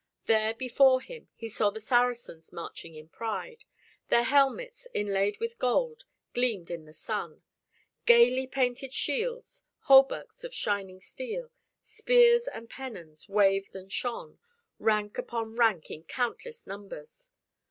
There before him he saw the Saracens marching in pride. Their helmets, inlaid with gold, gleamed in the sun. Gaily painted shields, hauberks of shining steel, spears and pennons waved and shone, rank upon rank in countless numbers.